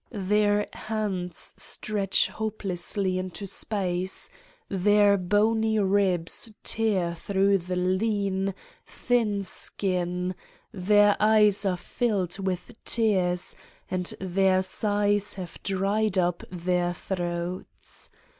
Their hands stretch hopelessly 141 Satan's Diary into space, their bony ribs tear through the lean, thin skin, their eyes are filled with tears, and their sighs have dried up their throats.